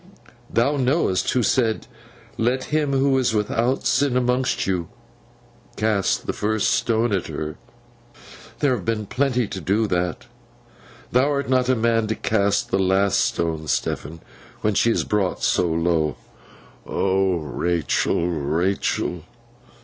Thou knowest who said, "Let him who is without sin among you cast the first stone at her!" There have been plenty to do that. Thou art not the man to cast the last stone, Stephen, when she is brought so low.' 'O Rachael, Rachael!